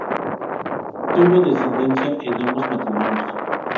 Tuvo descendencia en ambos matrimonios.